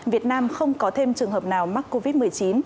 việt nam không có thêm trường hợp nào mắc covid một mươi chín